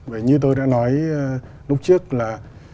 vậy như tôi đã nói lúc trước là